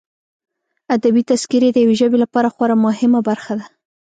ادبي تذکرې د یوه ژبې لپاره خورا مهمه برخه ده.